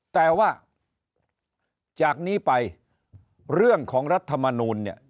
แต่ว่าจากนี้ไปเรื่องของรัฐมนูลเนี่ย